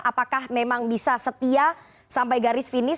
apakah memang bisa setia sampai garis finish